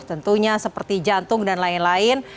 tentunya seperti jantung dan lain lain